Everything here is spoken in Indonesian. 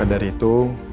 maka dari itu